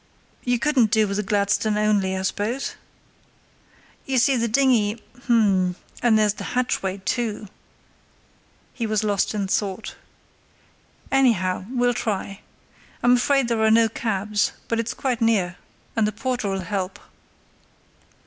You couldn't do with the Gladstone only, I suppose? You see, the dinghy—h'm, and there's the hatchway, too"—he was lost in thought. "Anyhow, we'll try. I'm afraid there are no cabs; but it's quite near, and the porter'll help."